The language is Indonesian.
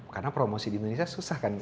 karena promosi di indonesia susah kan